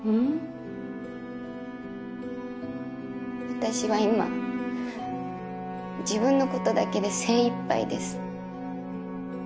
私は今自分のことだけで精いっぱいです。